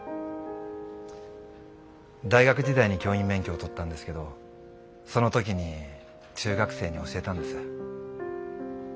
大学時代に教員免許を取ったんですけどその時に中学生に教えたんです。